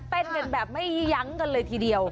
เต้นกันแบบไม่ยั้งกันเลยทีเดียว